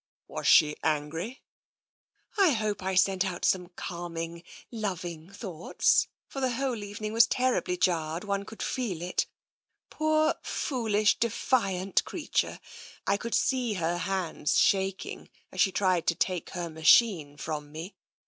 "Was she angry?" I TENSION 63 " I hope I sent out some calming, loving thoughts, for the whole evening was terribly jarred, one could feel it. Poor foolish, defiant creature! I could see her hands shaking, as she tried to take her machine from me.